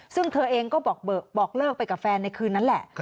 ซึ่งเธอเองก็บอกเลิกไปกับแฟนในคืนนั้นแหละ